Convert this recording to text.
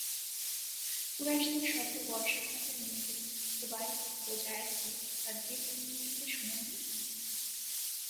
কুরাইশদের শত বর্শাঘাতের মুখে খুবাইব ও যায়েদকে তাকবীরধ্বনি দিতে শুনেন নি?